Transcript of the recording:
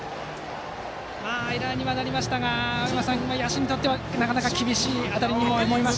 エラーにはなりましたが青山さん、野手にとってはなかなか厳しい当たりに見えました。